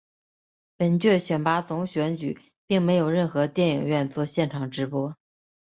本届选拔总选举并没有任何电影院作现场直播。